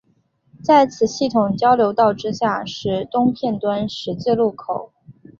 在此系统交流道之下是东片端十字路口。